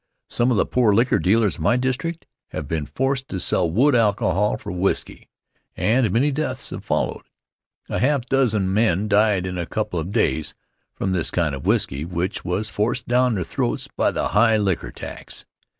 Some of the poor liquor dealers in my district have been forced to sell wood alcohol for whisky, and many deaths have followed. A half dozen men died in a couple of days from this kind of whisky which was forced down their throats by the high liquor tax.